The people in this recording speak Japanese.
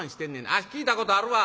あっ聞いたことあるわ。